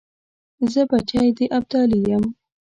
زه بچی د ابدالي یم .